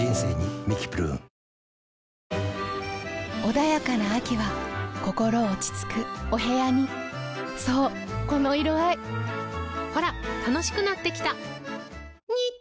穏やかな秋は心落ち着くお部屋にそうこの色合いほら楽しくなってきた！